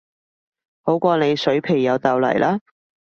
好過你水皮又豆泥啦